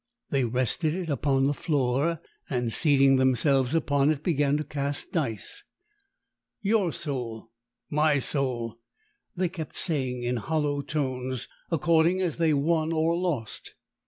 They rested it upon the floor and, seating themselves upon it, began to cast dice. "Your soul!" "My soul!" they kept saying in hollow tones, according as they won or lost.